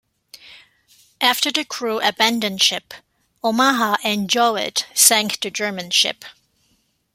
After the crew abandoned ship, "Omaha" and "Jouett" sank the German ship.